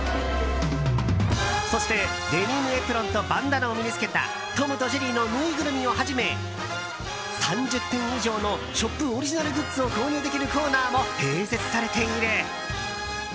そして、デニムエプロンとバンダナを身に付けたトムとジェリーのぬいぐるみをはじめ３０点以上のショップオリジナルグッズを購入できるコーナーも併設されている。